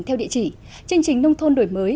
theo địa chỉ chương trình nông thôn đổi mới